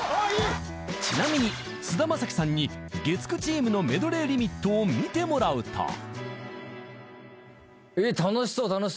［ちなみに菅田将暉さんに月９チームのメドレーリミットを見てもらうと］